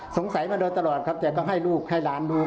มาโดยตลอดครับแต่ก็ให้ลูกให้หลานดู